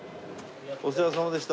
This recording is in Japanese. お世話さまでした。